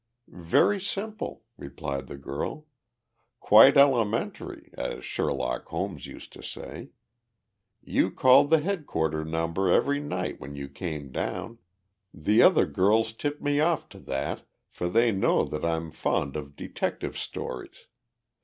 "Very simple," replied the girl. "Quite elementary, as Sherlock Holmes used to say. You called the headquarters number every night when you came down the other girls tipped me off to that, for they know that I'm fond of detective stories.